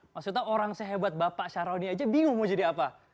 maksudnya orang sehebat bapak syaroni aja bingung mau jadi apa